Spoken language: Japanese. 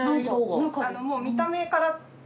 もう見た目から。